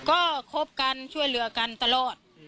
ก็คบกันช่วยเหลือกันตลอด